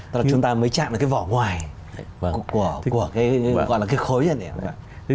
tức là chúng ta mới chạm vào cái vỏ ngoài của cái khối này